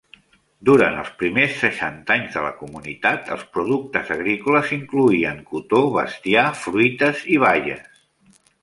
Durant els primers seixanta anys de la comunitat, els productes agrícoles incloïen cotó, bestiar, fruites i baies.